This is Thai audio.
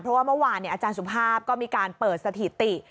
เพราะว่าเมื่อวานอาจารย์สุภาพก็มีการเปิดสถิติ